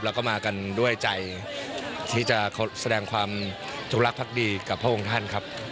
แล้วก็มากันด้วยใจที่จะแสดงความจงรักภักดีกับพระองค์ท่านครับ